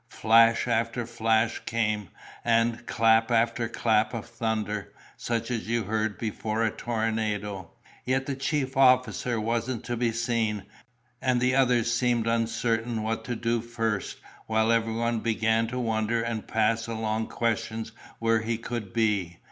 Flash after flash came, and clap after clap of thunder, such as you hear before a tornado—yet the chief officer wasn't to be seen, and the others seemed uncertain what to do first; while everyone began to wonder and pass along questions where he could be.